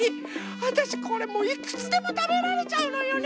わたしこれもういくつでもたべられちゃうのよね。